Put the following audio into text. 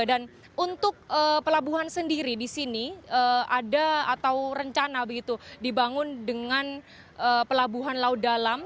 dan untuk pelabuhan sendiri di sini ada atau rencana dibangun dengan pelabuhan laut dalam